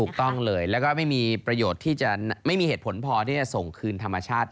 ถูกต้องเลยแล้วก็ไม่มีประโยชน์ที่จะไม่มีเหตุผลพอที่จะส่งคืนธรรมชาติ